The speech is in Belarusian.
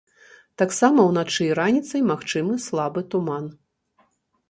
Таксама ўначы і раніцай магчымы слабы туман.